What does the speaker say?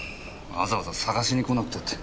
わざわざ捜しに来なくたって。